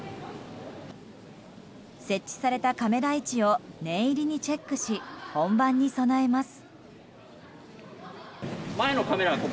設置されたカメラ位置を念入りにチェックし本番に備えます。